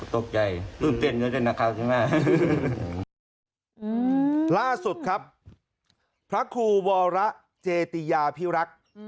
ที่ล่าสุดครับพระคู่วอเจธิยาพิรักษ์